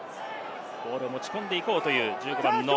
ボールを持ち込んでいこうという１５番。